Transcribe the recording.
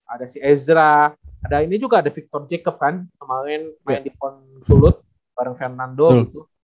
ada si ezra ini juga ada victor jacob kan kemaren main di konsulut bareng fernando gitu